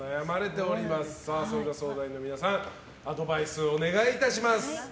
相談員の皆さんアドバイスをお願いします。